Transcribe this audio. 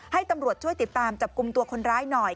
ให้ตำรวจช่วยติดตามจับกลุ่มตัวคนร้ายหน่อย